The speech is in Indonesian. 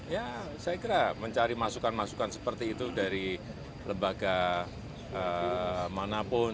ya saya kira mencari masukan masukan seperti itu dari lembaga manapun